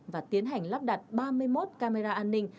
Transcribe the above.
và tiến hành lắp đặt ba mươi một camera an ninh